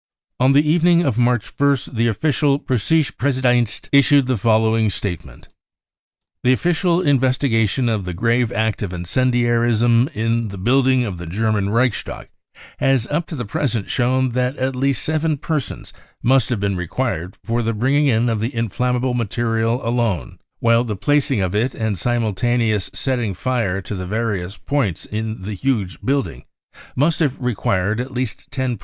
On the evening of March 1st, the official Preussische Pressedienst issued the following statement :" The official investigation of the grave act of incendiarism in the building of the German Reichstag has up to the present shown that at least seven persons Must have been required for the bringing in of the inflammable material alone, while the placing of it and simultaneous setting fire to the various points in the huge building must have required at least ten persons.